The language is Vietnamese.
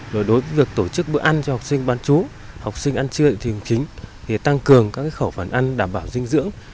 rồi đối với việc tổ chức bữa ăn cho học sinh bán chú học sinh ăn trưa thì tăng cường các khẩu phần ăn đảm bảo dinh dưỡng